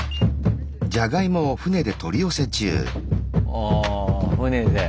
あ船で。